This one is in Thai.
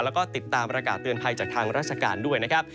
แล้วก็ติดตามประกาศเตือนภัยจากทางราชการด้วยนะครับ